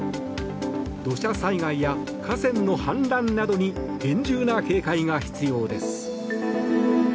土砂災害や河川の氾濫などに厳重な警戒が必要です。